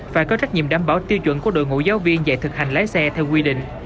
phải có trách nhiệm đảm bảo tiêu chuẩn của đội ngũ giáo viên dạy thực hành lái xe theo quy định